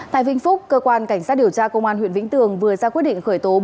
tại vĩnh phúc cơ quan cảnh sát điều tra công an huyện vĩnh tường vừa ra quyết định khởi tố